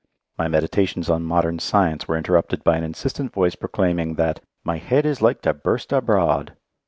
My meditations on modern science were interrupted by an insistent voice proclaiming that "my head is like to burst abroad."